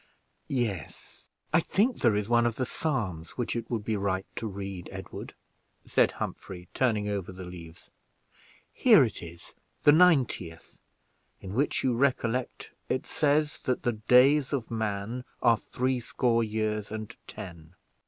"Yes, I think there is one of the Psalms which it would be right to read, Edward," said Humphrey, turning over the leaves; "here it is, the ninetieth, in which you recollect it says, 'that the days of man are threescore years and ten.'"